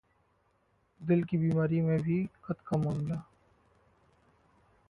दिल की बीमारी में भी है कद का मामला